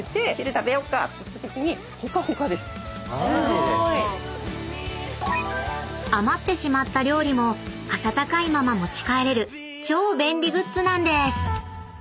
マジで⁉［余ってしまった料理も温かいまま持ち帰れる超便利グッズなんです］